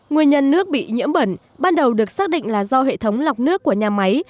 nguyên nhân nước bị nhiễm bẩn ban đầu được xác định là do hệ thống lọc nước của nhà máy